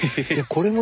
これも？